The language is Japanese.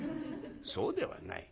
「そうではない。